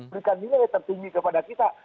berikan nilai tertinggi kepada kita